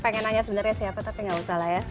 pengen nanya sebenarnya siapa tapi gak usah lah ya